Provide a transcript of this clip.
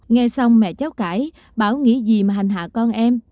nghe xong mẹ cháu cải bảo nghĩ gì mà hành hạ con em